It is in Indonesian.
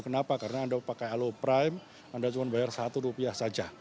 kenapa karena anda pakai alo prime anda cuma bayar satu rupiah saja